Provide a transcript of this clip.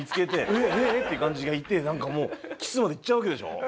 えっ？えっ？って感じが一転なんかもうキスまでいっちゃうわけでしょ？